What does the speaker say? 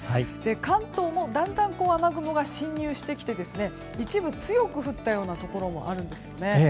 関東もだんだん雨雲が進入してきて一部、強く降ったようなところもあるんですね。